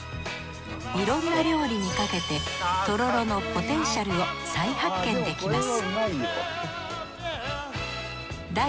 いろんな料理にかけてとろろのポテンシャルを再発見できます